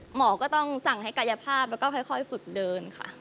หมอก็ต้องสั่งให้กายภาพแล้วก็ค่อยฝึกเดินค่ะ